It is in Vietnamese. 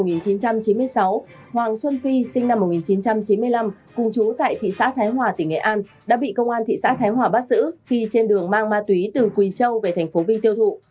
nguyễn quốc quân sinh năm một nghìn chín trăm chín mươi năm cung trú tại thị xã thái hòa tỉnh nghệ an đã bị công an thị xã thái hòa bắt giữ khi trên đường mang ma túy từ quỳ châu về thành phố vinh tiêu thụ